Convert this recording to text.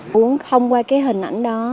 muốn thông qua cái hình ảnh đó